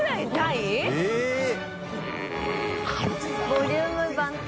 ボリューム満点。